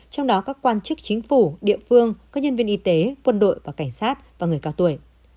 trong đó các quan chức chính phủ địa phương các nhân viên y tế quân đội và cảnh sát và người cao tuổi